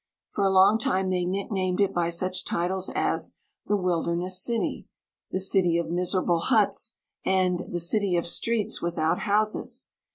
For a long time they nicknamed it by such titles as the " Wilderness City," the " City of Miserable Huts," and the " City of Streets without Houses."